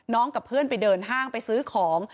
กับเพื่อนไปเดินห้างไปซื้อของ